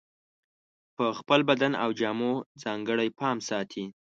په خپل بدن او جامو ځانګړی پام ساتي.